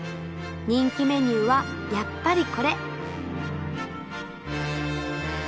人気メニューはやっぱりこれ！